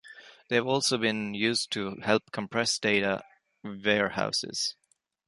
They have also been used to help compress data warehouses.